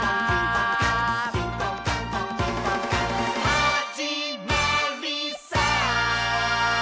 「はじまりさー」